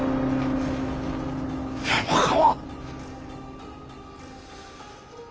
山川。